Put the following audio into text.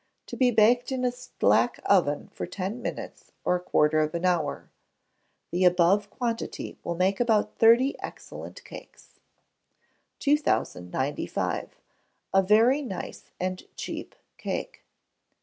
To be baked in a slack oven for ten minutes or a quarter of an hour. The above quantity will make about thirty excellent cakes. 2095. A very Nice and Cheap Cake.